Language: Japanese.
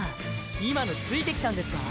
今のついてきたんですか？